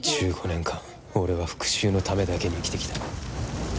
１５年間俺は復讐のためだけに生きてきた。